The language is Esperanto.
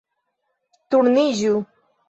- Turniĝu